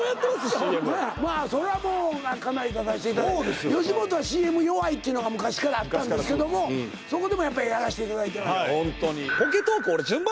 ＣＭまあそれはもうかなり出させていただいて吉本はＣＭ弱いっていうのが昔からあったんですけどもそこでもやっぱりやらせていただいてます来ないよ